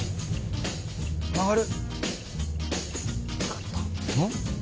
曲がる。